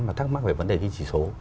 mà thắc mắc về vấn đề ghi chỉ số